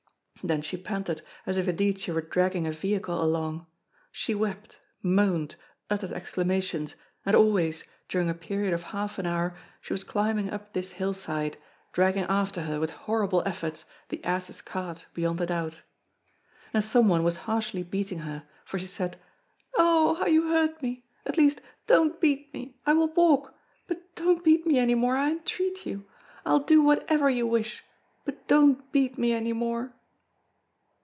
Then she panted, as if indeed she were dragging a vehicle along. She wept, moaned, uttered exclamations, and always, during a period of half an hour, she was climbing up this hillside, dragging after her with horrible efforts the ass's cart, beyond a doubt. And some one was harshly beating her, for she said: "Oh! how you hurt me! At least, don't beat me! I will walk but don't beat me any more, I entreat you! I'll do whatever you wish, but don't beat me any more!"